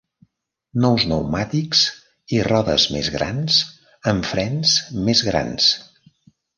Nous pneumàtics i rodes més grans amb frens més grans.